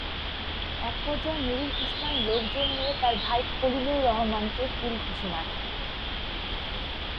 একপর্যায়ে নুরুল ইসলাম লোকজন নিয়ে তাঁর ভাই খলিলুর রহমানকে কিল-ঘুষি মারেন।